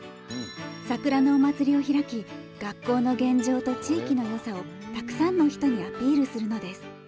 桜のお祭りを開き学校の現状と地域の良さをたくさんの人にアピールするのです。